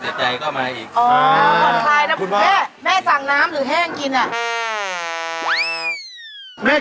อร่อยใช่ไหม